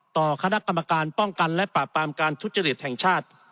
ต่อคณะกรรมการป้องกันและปราบปรามการทุจริตแห่งชาติ